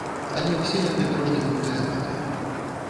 Але ўсе яны трошкі гультаяватыя.